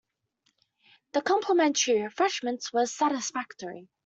The complimentary refreshments were satisfactory.